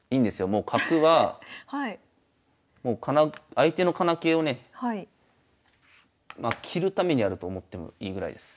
もう角は相手の金気をね切るためにあると思ってもいいぐらいです。